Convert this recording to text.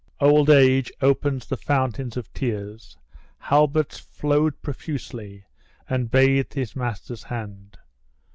Old age opens the fountains of tears; Halbert's flowed profusely, and bathed his master's hand.